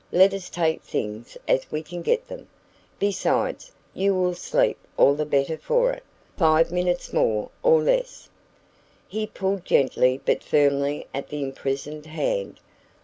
Let us take things as we can get them. Besides, you will sleep all the better for it. Five minutes more or less " He pulled gently but firmly at the imprisoned hand.